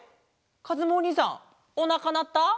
かずむおにいさんおなかなった？